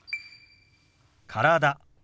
「体」。